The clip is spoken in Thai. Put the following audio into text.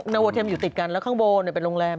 โอเทมอยู่ติดกันแล้วข้างบนเป็นโรงแรม